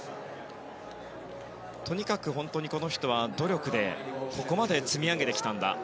とにかく本当にこの人は努力でここまで積み上げてきたんだと。